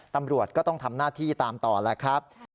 ตำรวจก็ต้องทำหน้าที่ตามต่อแล้วครับ